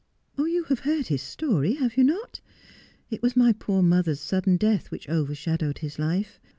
' You have heard his story, have you not ? It was my poor mother's sudden death which overshadowed his life.